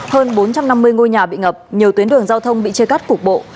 hơn bốn trăm năm mươi ngôi nhà bị ngập nhiều tuyến đường giao thông bị chia cắt cục bộ